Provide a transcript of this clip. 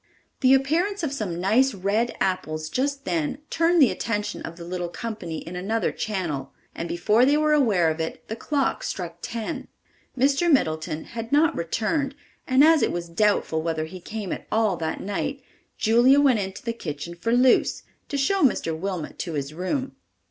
The appearance of some nice red apples just then turned the attention of the little company in another channel and before they were aware of it the clock struck ten. Mr. Middleton had not returned and as it was doubtful whether he came at all that night, Julia went into the kitchen for Luce, to show Mr. Wilmot to his room.